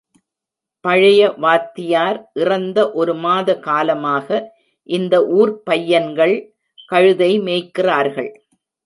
பழைய வாத்தியார் இறந்த ஒரு மாத காலமாக, இந்த ஊர்ப் பையன்கள் கழுதை மேய்க்கிறார்கள்.